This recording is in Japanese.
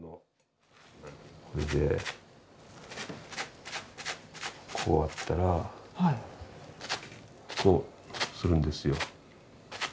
こうやったらこうするんですよ。